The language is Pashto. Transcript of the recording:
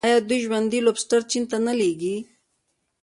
آیا دوی ژوندي لوبسټر چین ته نه لیږي؟